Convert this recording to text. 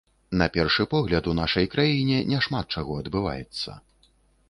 На першы погляд, у нашай краіне няшмат чаго адбываецца.